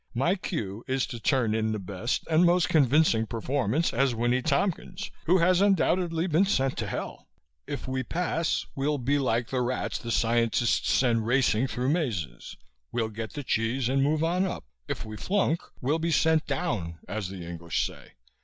My cue is to turn in the best and most convincing performance as Winnie Tompkins, who has undoubtedly been sent to Hell. If we pass, we'll be like the rats the scientists send racing through mazes: we'll get the cheese and move on up. If we flunk, we'll be sent down, as the English say.